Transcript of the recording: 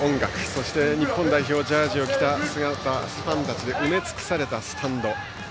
そして日本代表ジャージーを着たファンたちで埋め尽くされたスタンド。